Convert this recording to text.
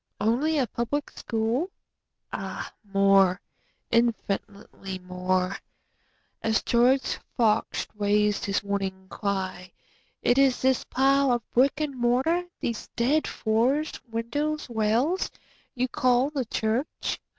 Only a Public School? Ah more—infinitely more;(As George Fox rais'd his warning cry, "Is it this pile of brick and mortar—these dead floors, windows, rails—you call the church?